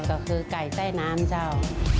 ก็คือไก่ใต้น้ำเจ้า